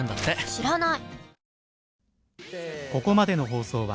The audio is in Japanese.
知らない！